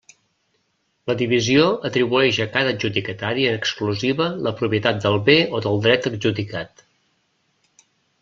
La divisió atribueix a cada adjudicatari en exclusiva la propietat del bé o del dret adjudicat.